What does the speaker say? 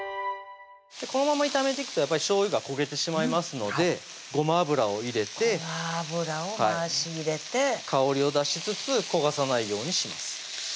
このまま炒めていくとしょうゆが焦げてしまいますのでごま油を入れてごま油を回し入れて香りを出しつつ焦がさないようにします